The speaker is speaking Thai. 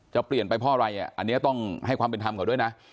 เปลี่ยนไปเพราะอะไรอันนี้ต้องให้ความเป็นธรรมเขาด้วยนะ